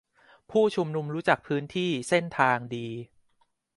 -ผู้ชุมนุมรู้จักพื้นที่-เส้นทางดี